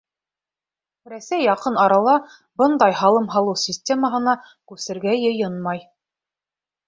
Рәсәй яҡын арала бындай һалым һалыу системаһына күсергә йыйынмай.